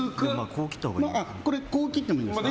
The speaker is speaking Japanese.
これってこう切ってもいいんですか？